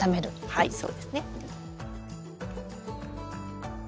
はいそうですね。